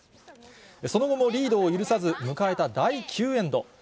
その後もリードを許さず、迎えた第９エンド。